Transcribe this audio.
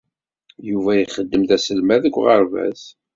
Yuba ixeddem d aselmad deg uɣerbaz.